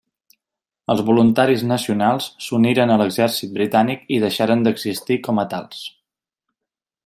Els Voluntaris Nacionals s'uniren a l'exèrcit britànic i deixaren d'existir com a tals.